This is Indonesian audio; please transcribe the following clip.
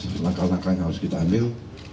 itu langkah langkah yang harus kita ambil